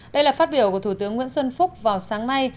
đây là phát biểu của thủ tướng nguyễn xuân phúc vào sáng nay